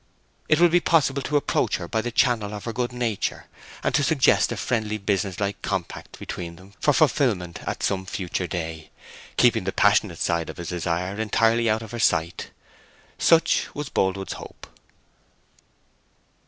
It would be possible to approach her by the channel of her good nature, and to suggest a friendly businesslike compact between them for fulfilment at some future day, keeping the passionate side of his desire entirely out of her sight. Such was Boldwood's hope.